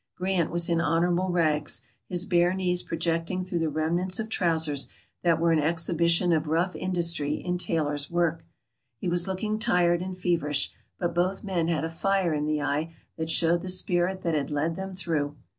Grant was in honorable rags, his bare knees projecting through the remnants of trousers that were an exhibition of rough industry in tailor's work. He was looking tired and feverish, but both men had a fire in the eye that showed the spirit that had led them through.